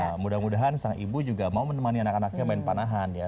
nah mudah mudahan sang ibu juga mau menemani anak anaknya main panahan ya